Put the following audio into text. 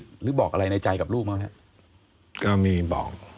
หรือบอกอะไรในใจกับลูกแม่งฮะมาแข็งก็มีบอก